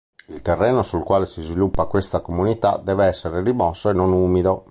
Il terreno sul quale si sviluppa questa comunità deve essere rimosso e non umido.